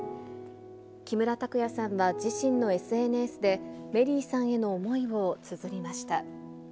木村拓哉さんは自身のＳＮＳで、メリーさんへの思いをつづりました。